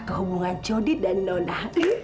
ke hubungan jody dan nona